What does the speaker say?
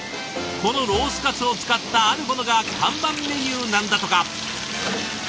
このロースカツを使ったあるものが看板メニューなんだとか。